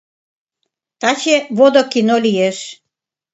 Таче водо кино лиеш